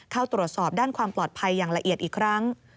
เข้าตรวจสอบด้านความปลอดภัยอย่างละเอียดอีกครั้ง